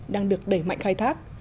đang được đẩy mạnh khai thác